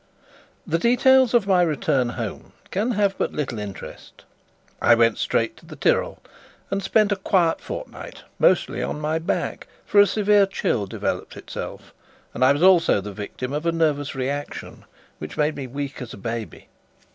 The details of my return home can have but little interest. I went straight to the Tyrol and spent a quiet fortnight mostly on my back, for a severe chill developed itself; and I was also the victim of a nervous reaction, which made me weak as a baby.